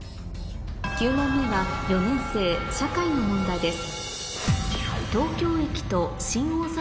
９問目は４年生社会の問題です